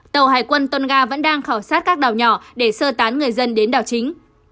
tàu hải quân tonga vẫn đang khảo sát các đảo nhỏ để sơ tán người dân đến đảo chính